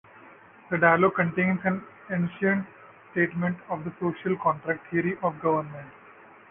The dialogue contains an ancient statement of the social contract theory of government.